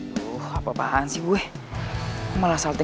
duh apa apaan sih gue